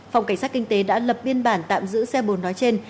phòng cảnh sát kinh tế đã lập biên bản tạm giữ xe bồn nói trên